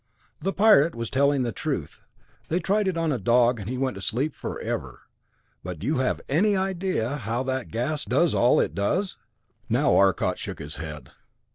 "The Pirate was telling the truth. They tried it on a dog and he went to sleep forever. But do you have any idea how that gas does all it does?" Now Arcot shook his head.